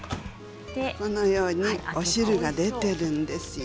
このようにお汁が出ているんですよ。